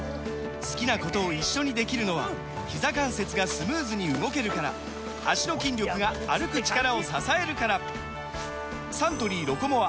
好きなことを一緒にできるのはひざ関節がスムーズに動けるから脚の筋力が歩く力を支えるからサントリー「ロコモア」！